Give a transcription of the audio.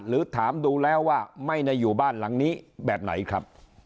หรือถามดูแล้วว่าไม่ได้อยู่บ้านหลังนี้แบบไหนครับ